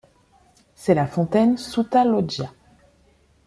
C'est la fontaine Souta Loggia.